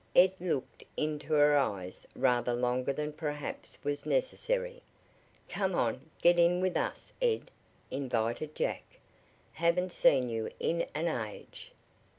Ed looked into her eyes rather longer than perhaps was necessary. "Come on; get in with us, Ed," invited Jack. "Haven't seen you in an age.